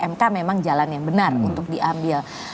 mk memang jalan yang benar untuk diambil